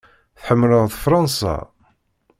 Tḥemmleḍ Fṛansa?